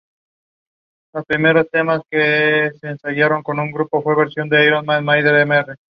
Fue pensada para realizar acoplamientos con estaciones espaciales.